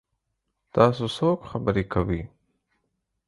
تاسو څوک خبرې کوي؟